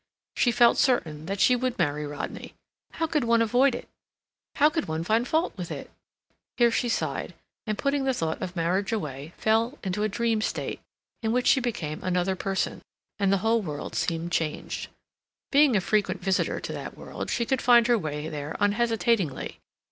She felt certain that she would marry Rodney. How could one avoid it? How could one find fault with it? Here she sighed, and, putting the thought of marriage away, fell into a dream state, in which she became another person, and the whole world seemed changed. Being a frequent visitor to that world, she could find her way there unhesitatingly.